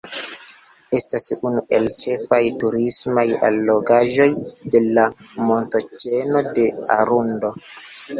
Estas unu el ĉefaj turismaj allogaĵoj de la Montoĉeno de Arundo.